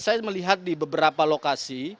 saya melihat di beberapa lokasi